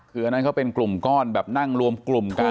คืออันนั้นเขาเป็นกลุ่มก้อนแบบนั่งรวมกลุ่มกัน